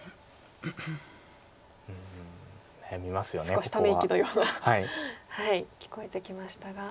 少しため息のような聞こえてきましたが。